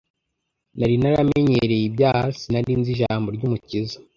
nari naramenyereye ibyaha sinarinzi ijambo ryumukiza